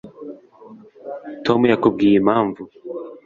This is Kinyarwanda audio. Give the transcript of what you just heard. tom yakubwiye impamvu